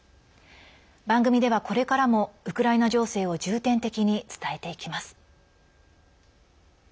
番組では、これからもウクライナ情勢を重点的に伝えていきます。